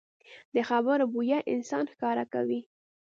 د خبرو بویه انسان ښکاره کوي